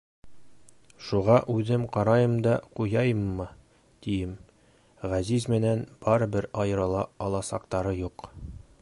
Шуға үҙем ҡарайым да ҡуяйыммы, тием, Ғәзиз менән барыбер айырыла аласаҡтары юҡ.